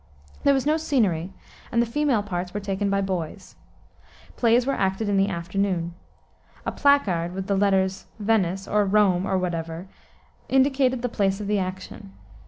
There was no scenery, and the female parts were taken by boys. Plays were acted in the afternoon. A placard, with the letters "Venice," or "Rome," or whatever, indicated the place of the action.